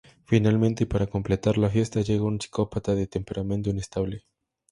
Finalmente y para completar la fiesta llega un psicópata de temperamento inestable.